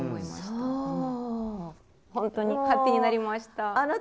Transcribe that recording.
本当にハッピーになりました。